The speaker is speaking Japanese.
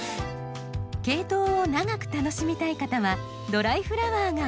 ケイトウを長く楽しみたい方はドライフラワーがおすすめ。